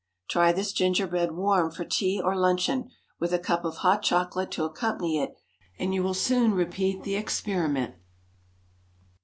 Try this gingerbread warm for tea or luncheon, with a cup of hot chocolate to accompany it, and you will soon repeat the experiment.